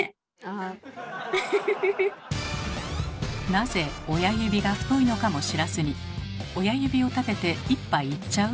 なぜ親指が太いのかも知らずに親指を立てて「一杯いっちゃう？」